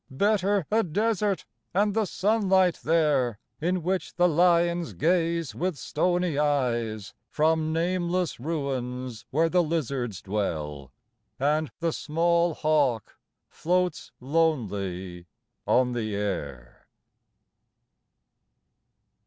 Better a desert and the sunlight there, In which the lions gaze with stony eyes From nameless ruins where the lizards dwell, And the small hawk floats lonely on the air.